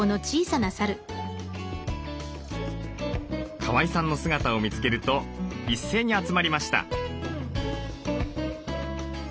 川井さんの姿を見つけると一斉に集まりました。